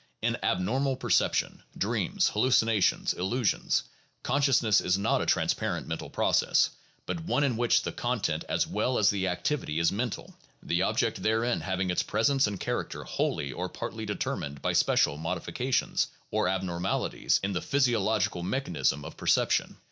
In abnormal perception (dreams, hallucinations, illusions) conscious ness is not a transparent mental process, but one in which the con tent as well as the activity is mental — the object therein having its presence and character wholly or partly determined by special modi fications or abnormalities in the physiological mechanism of percep tion.